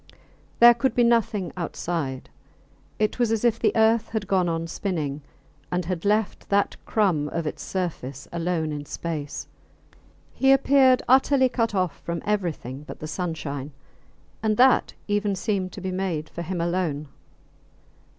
There could be nothing outside. It was as if the earth had gone on spinning, and had left that crumb of its surface alone in space. He appeared utterly cut off from everything but the sunshine, and that even seemed to be made for him alone.